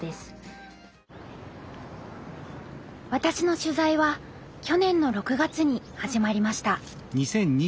私の取材は去年の６月に始まりました。